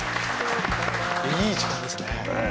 いい時間ですねええ。